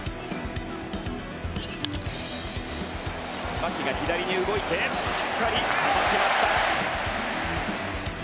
牧が左に動いてしっかりさばきました。